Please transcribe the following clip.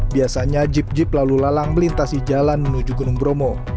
biasanya jeep jeep lalu lalang melintasi jalan menuju gunung bromo